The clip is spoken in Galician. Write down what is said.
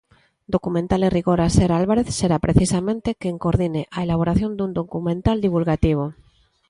Documental e rigor Aser Álvarez será precisamente quen coordine a elaboración dun documental divulgativo.